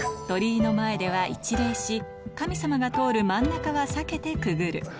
鳥居の前では一礼し、神様が通る真ん中は避けてくぐる。